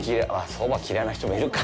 そば嫌いな人もいるか。